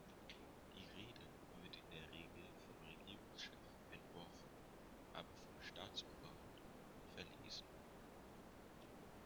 Die Rede wird in der Regel vom Regierungschef entworfen, aber vom Staatsoberhaupt verlesen.